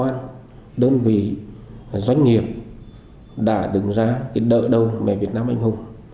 rất nhiều cơ quan đơn vị doanh nghiệp đã đứng ra đỡ đầu mẹ việt nam anh hùng